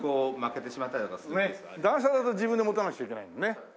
段差だと自分で持たなくちゃいけないのね。